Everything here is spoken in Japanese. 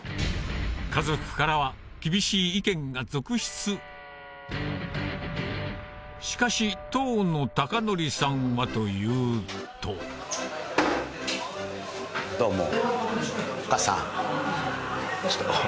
家族からはが続出しかし当の孝法さんはというとどうも。